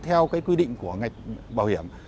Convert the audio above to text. theo cái quy định của ngạch bảo hiểm